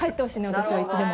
私はいつでも。